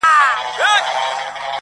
په هغه وخت کی یې علاج نه کېدی -